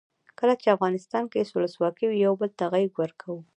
کله چې افغانستان کې ولسواکي وي یو بل ته غیږ ورکوو.